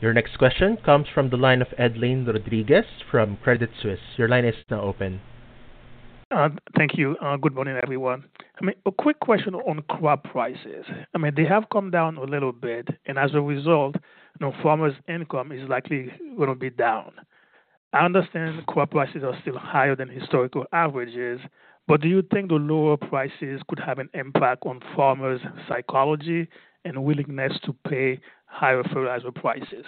A: Your next question comes from the line of Edlain Rodriguez from Credit Suisse. Your line is now open.
T: Thank you. Good morning, everyone. I mean, a quick question on crop prices. I mean, they have come down a little bit. As a result, you know, farmers' income is likely gonna be down. I understand crop prices are still higher than historical averages. Do you think the lower prices could have an impact on farmers' psychology and willingness to pay higher fertilizer prices?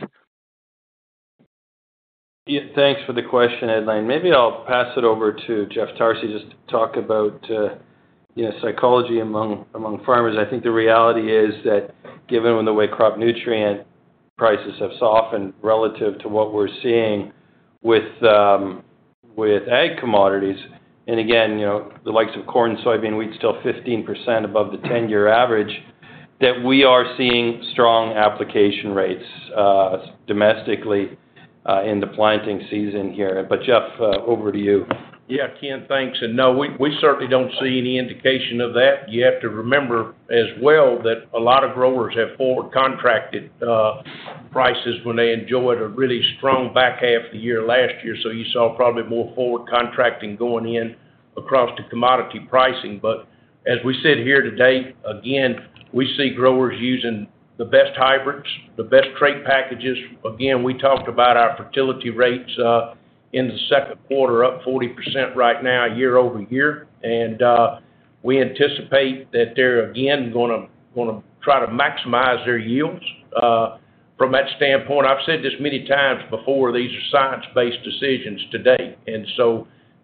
C: Yeah. Thanks for the question, Edlain. Maybe I'll pass it over to Jeff Tarsi just to talk about, you know, psychology among farmers. I think the reality is that given when the way crop nutrient prices have softened relative to what we're seeing with ag commodities, and again, you know, the likes of corn and soybean wheat still 15% above the 10-year average, that we are seeing strong application rates, domestically, in the planting season here. Jeff, over to you.
S: Ken, thanks. No, we certainly don't see any indication of that. You have to remember as well that a lot of growers have forward contracted prices when they enjoyed a really strong back half of the year last year. You saw probably more forward contracting going in across the commodity pricing. As we sit here today, again, we see growers using the best hybrids, the best trait packages. Again, we talked about our fertility rates in the second quarter, up 40% right now year-over-year. We anticipate that they're again gonna wanna try to maximize their yields. From that standpoint, I've said this many times before, these are science-based decisions today.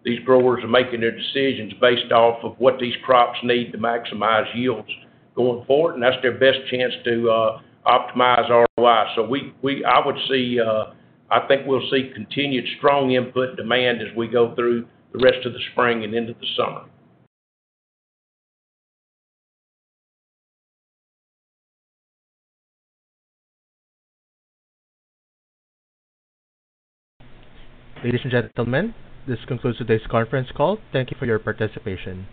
S: These growers are making their decisions based off of what these crops need to maximize yields going forward, and that's their best chance to optimize ROI. I would see, I think we'll see continued strong input demand as we go through the rest of the spring and into the summer.
A: Ladies and gentlemen, this concludes today's conference call. Thank you for your participation.